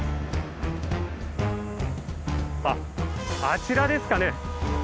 あっあちらですかね。